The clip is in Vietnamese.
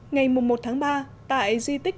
ngày một ba tại di tích